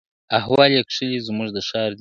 احوال یې کښلی زموږ د ښار دی ,